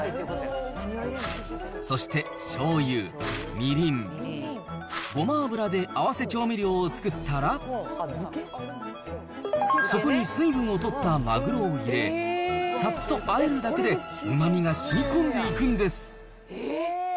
そしてしょうゆ、みりん、ごま油で合わせ調味料を作ったら、そこに水分を取ったマグロを入れ、さっとあえるだけで、うまみがしみこんでいくんです。